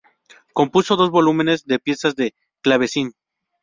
Compuso dos volúmenes de piezas de clavecín.